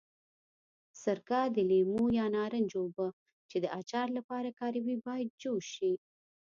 سرکه، د لیمو یا نارنج اوبه چې د اچار لپاره کاروي باید جوش شي.